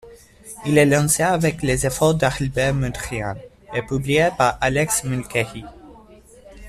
Il est lancé avec les efforts d'Albert Mudrian, et publié par Alex Mulcahy.